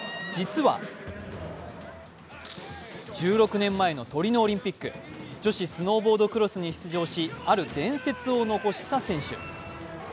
実は、１６年前のトリノオリンピック女子スノーボードクロスに出場し、ある伝説を残した選手。